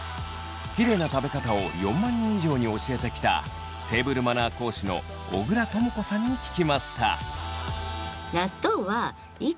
キレイな食べ方を４万人以上に教えてきたテーブルマナー講師の小倉朋子さんに聞きました。